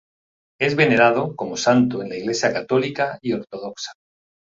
Es venerado como santo en la iglesia católica y ortodoxa.